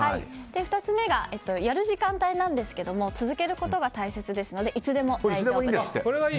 ２つ目がやる時間帯なんですが続けることが大切ですのでいつでも大丈夫です。